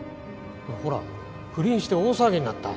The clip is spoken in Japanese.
ほら不倫して大騒ぎになった。